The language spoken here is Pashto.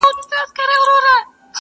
• موږ ته ډک کندو له شاتو مالامال وي -